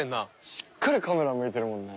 しっかりカメラ向いてるもんね。